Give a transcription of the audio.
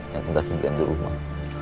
yang terjadi di rumah